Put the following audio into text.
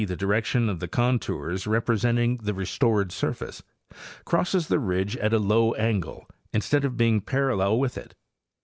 the direction of the contours representing the restored surface—crosses the ridge at a low angle instead of being parallel with it.